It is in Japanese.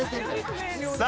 さあ